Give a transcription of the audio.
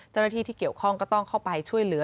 เจ้าหน้าที่ที่เกี่ยวข้องก็ต้องเข้าไปช่วยเหลือ